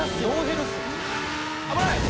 「危ない！」